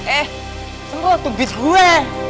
eh tunggu waktu bis gue